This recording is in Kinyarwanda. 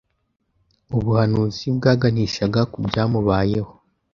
ubuhanuzi bwaganishaga ku byamubayeho,